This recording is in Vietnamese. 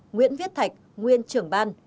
nguyễn viết thạch nguyên trưởng ban